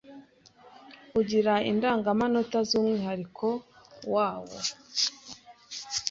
ugira indangamanota z’umwihariko wawo.